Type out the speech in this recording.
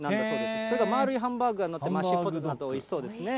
それが丸いハンバーグが載ってまして、マッシュポテト、おいしそうですね。